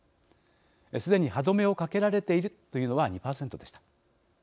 「すでに歯止めをかけられている」というのは２．０％でした。